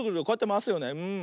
こうやってまわすよね。